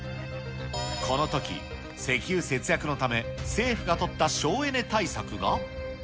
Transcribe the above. このとき、石油節約のため、政府が取った省エネ対策が。